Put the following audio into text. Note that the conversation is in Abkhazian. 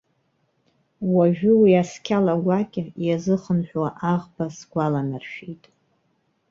Уажәы уи асқьала гәакьа иазыхынҳәуа аӷба сгәаланаршәеит.